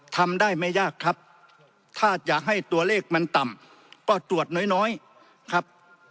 ทำได้ไม่ยากครับถ้าจะให้ตัวเลขมันต่ำก็ตรวจน้อยน้อยครับ